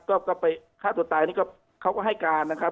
ก็ไปฆ่าตัวตายนี่ก็เขาก็ให้การนะครับ